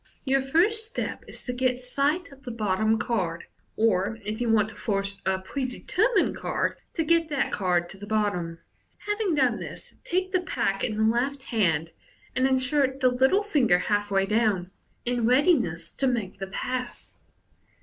Your first step is to get sight of the bottom card, or, if you want to force a prede termined card, to get that card to the bottom. Having done this, take the pack in the left hand, and insert the little finger half way down, in readiness to make the pass.